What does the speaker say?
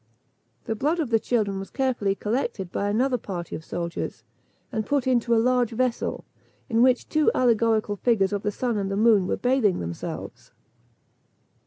The blood of the children was carefully collected by another party of soldiers, and put into a large vessel, in which two allegorical figures of the sun and moon were bathing themselves.